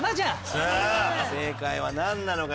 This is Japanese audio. さあ正解はなんなのか？